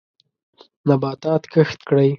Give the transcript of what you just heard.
نباتات کښت کړئ.